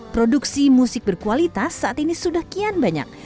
produksi musik berkualitas saat ini sudah kian banyak